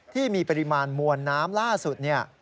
ที่มีปริมาณมวลน้ำล่าสุด